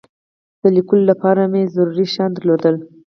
د لیکلو لپاره مې ضروري شیان درلودل.